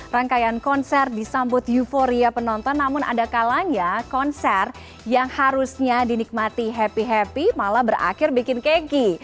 rangkaian konser disambut euforia penonton namun ada kalanya konser yang harusnya dinikmati happy happy malah berakhir bikin keki